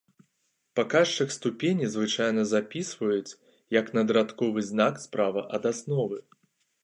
Паказчык ступені звычайна запісваюць як надрадковы знак справа ад асновы.